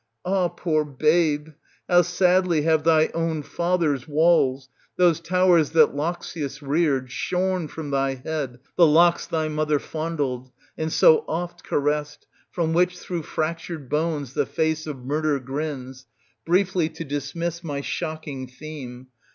Ah, poor babe ! how sadly have thy own father's walls, those towers that Loxias reared, shorn from thy head the locks thy mother fondled, and so oft caressed, from which through fractured bones the face of murder grins, — briefly to dismiss my shocking theme.